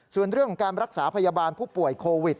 ส่วนเรื่องของการรักษาพยาบาลผู้ป่วยโควิด